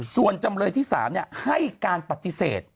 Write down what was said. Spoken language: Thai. ส่วนจำเลยที่๓ให้การปฏิเสธ